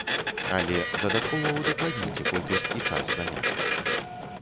Але дадаткова ўдакладніце колькасць і час заняткаў.